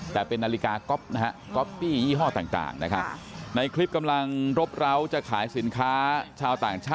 แต่เป็นนาฬิกาก๊อปนะฮะ